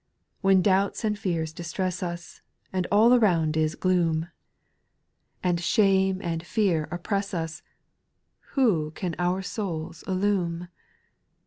* 2. When doubts and fears distress us, And all around is glooni^ 822 SPIRITUAL SONGS, And shame and fear oppress us, Who can our souls illume